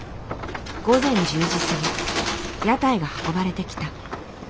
午前１０時過ぎ屋台が運ばれてきた。